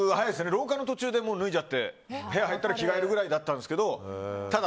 廊下の途中で脱いじゃって部屋入ったら着替えるくらいだったんですけど。